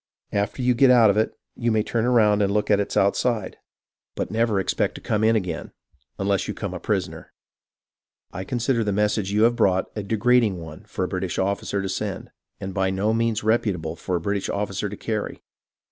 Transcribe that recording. After you get out of it, you may turn round and look at its outside ; but never expect to come in again, unless you come a prisoner. I consider the message you have brought a degrading one for a British officer to send, and by no means reputable for a British officer to carry.